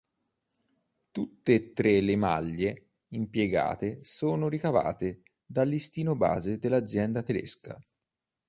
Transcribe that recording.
Tutte e tre le maglie impiegate sono ricavate dal listino base dell'azienda tedesca.